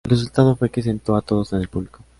El resultado fue que sentó a todos en el público.